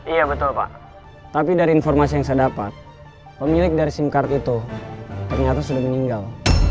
iya betul pak tapi dari informasi yang saya dapat pemilik dari sim card itu ternyata sudah meninggal